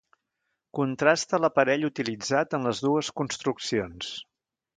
Contrasta l'aparell utilitzat en les dues construccions.